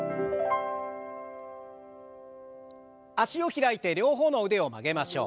脚を開いて両方の腕を曲げましょう。